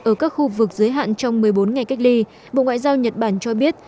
ở các khu vực giới hạn trong một mươi bốn ngày cách ly bộ ngoại giao nhật bản cho biết